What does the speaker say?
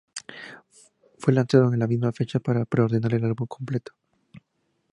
Fue lanzado en la misma fecha para pre-ordenar el álbum completo.